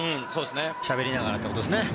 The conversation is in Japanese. しゃべりながらってことですね。